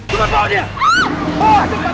jangan bawa dia